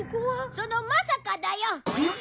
そのまさかだよ。えっ！？